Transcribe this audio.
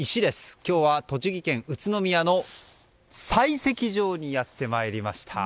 今日は栃木県宇都宮の採石場にやってまいりました。